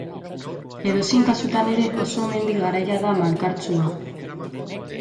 Edozein kasutan ere, oso mendi garaia da, malkartsua.